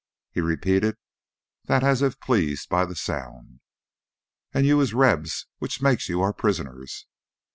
He repeated that as if pleased by the sound. "An' you is Rebs, which makes you our prisoners.